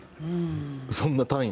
そんな単位。